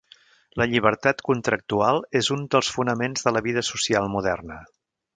La llibertat contractual és un dels fonaments de la vida social moderna.